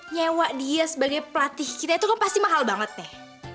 nyewa dia sebagai pelatih kita itu kan pasti mahal banget nih